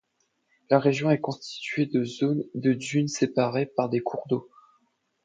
La région est constituée de zones de dunes séparées par des cours d'eau.